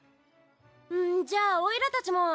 んじゃおいらたちも。